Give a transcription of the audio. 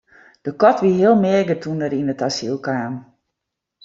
De kat wie heel meager doe't er yn it asyl kaam.